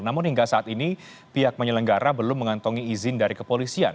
namun hingga saat ini pihak penyelenggara belum mengantongi izin dari kepolisian